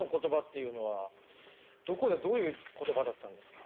どこでどういう言葉だったんですか？